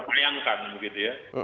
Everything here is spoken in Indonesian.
tayangkan begitu ya